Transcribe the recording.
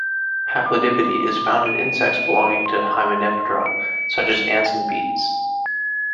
Haplodiploidy is found in insects belonging to Hymenoptera, such as ants and bees.